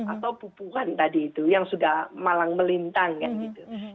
atau pupuhan tadi itu yang sudah malang melintang kan gitu